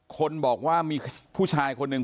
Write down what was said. คนบอกว่ามีผู้ชายคนหนึ่ง